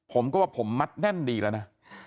ผมก็ว่าผมมัดแน่นดีแล้วนะ